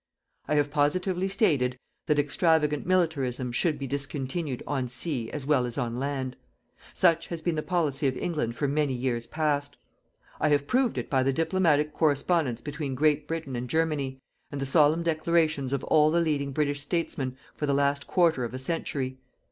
I have positively stated that extravagant militarism should be discontinued on sea as well as on land. Such has been the policy of England for many years past. I have proved it by the diplomatic correspondence between Great Britain and Germany, and the solemn declarations of all the leading British statesmen for the last quarter of a century.